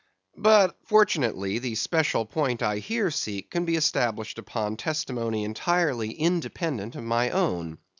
But fortunately the special point I here seek can be established upon testimony entirely independent of my own.